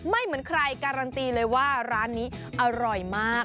เหมือนใครการันตีเลยว่าร้านนี้อร่อยมาก